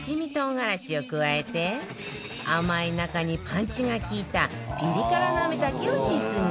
からしを加えて甘い中にパンチが利いたピリ辛なめ茸を実現